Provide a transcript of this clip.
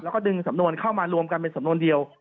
แล้วก็ดึงสำนวนเข้ามารวมกันเป็นสำนวนเดียว